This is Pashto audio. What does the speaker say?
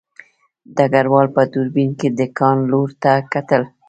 ډګروال په دوربین کې د کان لور ته کتل